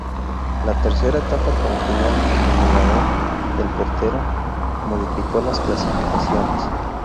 La tercera etapa con final en el Mirador del Potrero, modificó las clasificaciones.